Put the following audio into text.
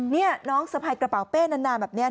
นี่น้องสะพายกระเป๋าเป้นานแบบนี้